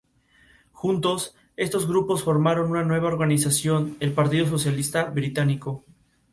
Juntos, estos grupos formaron una nueva organización, el Partido Socialista Británico.